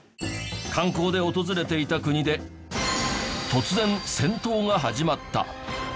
観光で訪れていた国で突然戦闘が始まった。